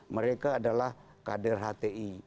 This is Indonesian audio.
mereka adalah kader hti